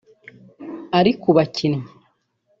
Ari ku bakinnyi